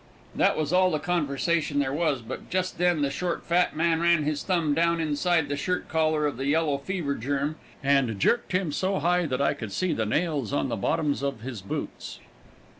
That was all the conversation there was, but just then the short fat man ran his thumb down inside the shirt collar of the yellow fever germ, and jerked him so high that I could see the nails on the bottoms of his boots.